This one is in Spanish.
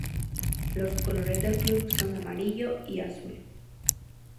Los colores del club son amarillo y azul.